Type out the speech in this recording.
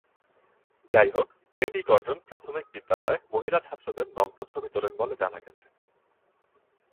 যাইহোক, Levi Gordon প্রাথমিক বিদ্যালয়ে মহিলা ছাত্রদের নগ্ন ছবি তোলেন বলে জানা গেছে।